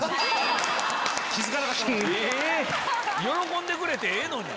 喜んでくれてええのに。